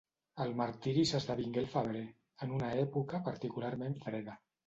El martiri s'esdevingué al febrer, en una època particularment freda.